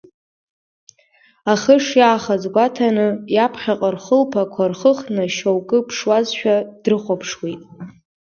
Ахы шиаахаз гәаҭаны, иаԥхьаҟа рхылԥақәа рхыхны шьоукы ԥшуазшәа дрыхәаԥшуеит.